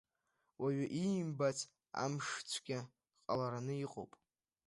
Уаҩы иимбац амшцәгьа ҟалараны иҟоуп.